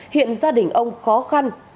hiện gia đình ông khó khăn